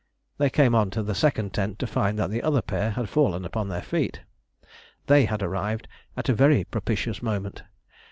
They came on to the second tent, to find that the other pair had fallen upon their feet. They had arrived at a very propitious moment.